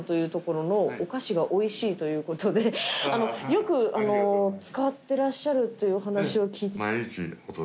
よく使ってらっしゃるというお話を聞いて。